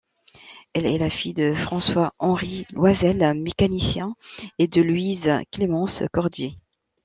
Elle est la fille de François Henri Loisel, mécanicien, et de Louise Clémence Cordier.